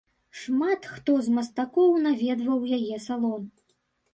Шмат хто з мастакоў наведваў яе салон.